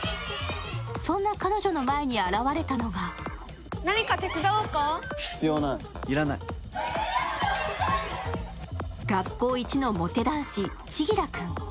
そんな彼女の前に現れたのが学校一のモテ男子・千輝君。